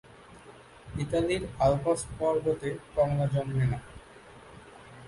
ইতালির আল্পস পর্বতে কমলা জন্মে না।